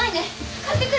買ってくる！